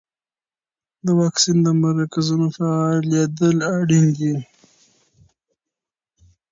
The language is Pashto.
د واکسین د مرکزونو فعالیدل اړین دي.